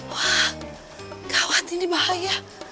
wah gawat ini bahaya